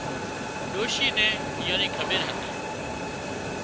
ڏوشي نين ايئان نِي کٻير هتي